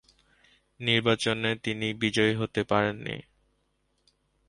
নির্বাচনে তিনি বিজয়ী হতে পারেন নি।